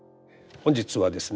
本日はですね